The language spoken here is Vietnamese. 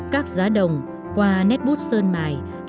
các giá đồng qua nét bút sơn mài